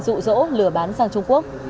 dụ dỗ lửa bán sang trung quốc